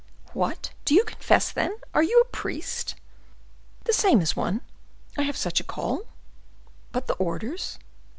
"What, do you confess, then? Are you a priest?" "The same as one. I have such a call." "But the orders?"